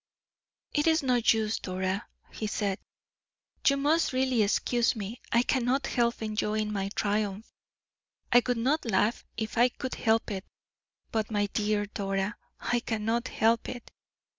"It is no use, Dora," he said; "you must really excuse me; I cannot help enjoying my triumph; I would not laugh if I could help it, but, my dear Dora, I cannot help it.